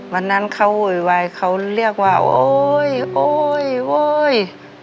วันนั้นเขาโวยวายเขาเรียกว่าโอ๊ยโอ๊ยโอ๊ย